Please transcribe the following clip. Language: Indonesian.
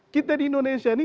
kita di indonesia ini